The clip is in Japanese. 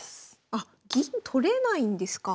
あっ銀取れないんですか。